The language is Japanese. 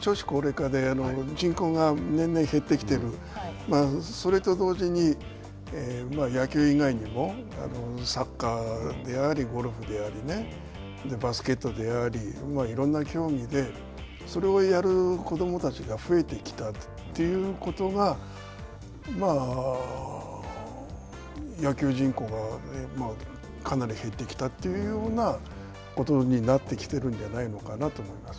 少子高齢化で人口が年々減ってきている、それと同時に、野球以外にもサッカーであり、ゴルフでありね、バスケットであり、いろんな競技で、それをやる子どもたちが増えてきたということが野球人口がかなり減ってきたというようなことになってきているんじゃないのかなと思います。